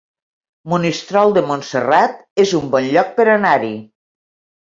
Monistrol de Montserrat es un bon lloc per anar-hi